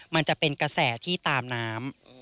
มันจะเป็นกระแสที่ตามน้ำ